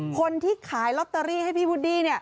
คนที่ขายลอตเตอรี่ให้พี่วุดดี้